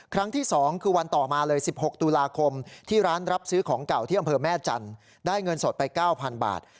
ครั้งที่๒คือวันต่อมาเลย๑๖ตุลาคมที่ร้านรับซื้อของเก่าที่อำเภอแม่จันทร์ได้เงินสดไป๙๐๐บาท